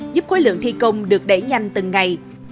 giúp khối lượng thi công được đẩy nhanh từng ngày